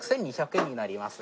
６２００円になります。